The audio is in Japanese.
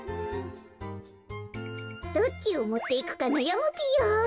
どっちをもっていくかなやむぴよ。